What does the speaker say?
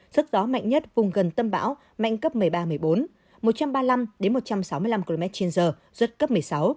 sức gió mạnh nhất vùng gần tâm bão mạnh cấp một mươi ba một mươi bốn một trăm ba mươi năm một trăm sáu mươi năm km trên giờ giật cấp một mươi sáu